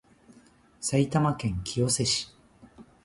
埼玉県清瀬市